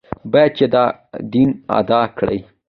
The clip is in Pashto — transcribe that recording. باید چې دا دین ادا کړي.